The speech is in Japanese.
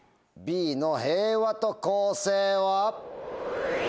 Ｂの「平和と公正」は？